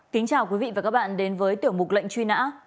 kính chào quý vị và các bạn đến với tiểu mục lệnh truy nã